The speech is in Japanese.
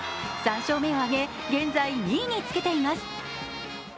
３勝目を挙げ現在２位につけています。